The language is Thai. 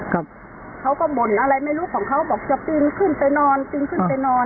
เขาก็บ่นอะไรไม่รู้ของเขาบอกจะปีนขึ้นไปนอนปีนขึ้นไปนอน